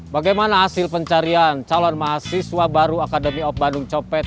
bagaimana hasil pencarian calon mahasiswa baru akademi of bandung copet